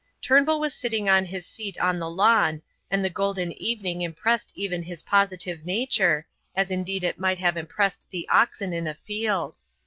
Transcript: Turnbull was sitting on his seat on the lawn, and the golden evening impressed even his positive nature, as indeed it might have impressed the oxen in a field.